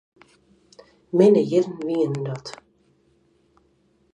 Minne jierren wienen dat.